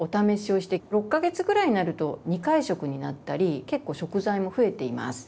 ６か月ぐらいになると２回食になったり結構食材も増えています。